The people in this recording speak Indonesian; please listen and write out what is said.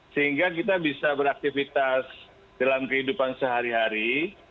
sehingga kita bisa beraktivitas dalam kehidupan sehari hari